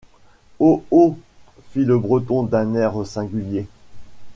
Oh ! oh ! fit le Breton d’un air singulier.